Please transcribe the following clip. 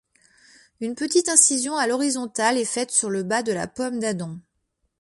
Une petite incision à l'horizontale est faite sur le bas de la pomme d'Adam.